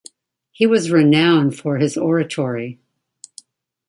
He was renowned for his oratory.